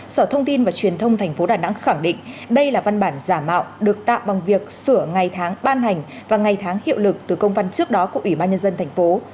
sở thông tin và truyền thông tp đà nẵng khẳng định đây là văn bản giả mạo được tạm bằng việc sửa ngày tháng ban hành và ngày tháng hiệu lực từ công văn trước đó của ủy ban nhân dân thành phố